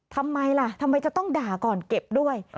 ทำไมล่ะทำไมจะต้องด่าก่อนเก็บด้วย